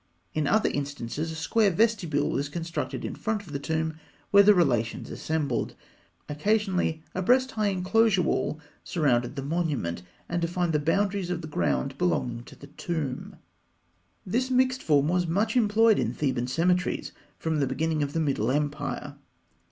In other instances a square vestibule was constructed in front of the tomb where the relations assembled (fig. 146). Occasionally a breast high enclosure wall surrounded the monument, and defined the boundaries of the ground belonging to the tomb. This mixed form was much employed in Theban cemeteries from the beginning of the Middle Empire.